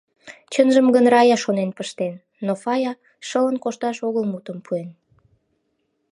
Чынжым гын Рая шонен пыштен, но Фая шылын кошташ огыл мутым пуэн.